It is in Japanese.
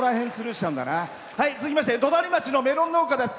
続きまして、隣町のメロン農家です。